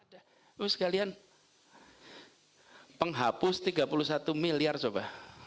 ya berusah kalian penghapus tiga puluh satu milyar coba